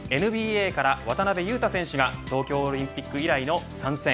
ＮＢＡから渡邊雄太選手が東京オリンピック以来の参戦。